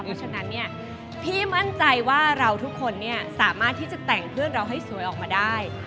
เพราะฉะนั้นเนี่ยพี่มั่นใจว่าเราทุกคนเนี่ยสามารถที่จะแต่งเพื่อนเราให้สวยออกมาได้